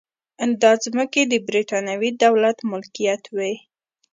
دا ځمکې د برېټانوي دولت ملکیت وې.